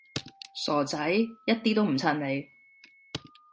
傻仔，一啲都唔襯你